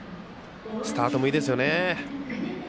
スタートもいいですね。